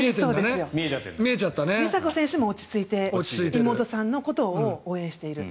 梨紗子選手も落ち着いて妹さんのことを応援している。